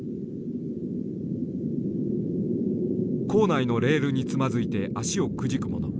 坑内のレールにつまずいて足をくじく者。